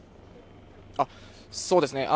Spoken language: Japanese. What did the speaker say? そうですね。